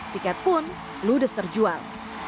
tiket pun ludes terjual